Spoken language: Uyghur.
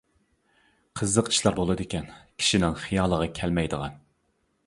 قىزىق ئىشلار بولدىكەن، كىشىنىڭ خىيالىغا كەلمەيدىغان.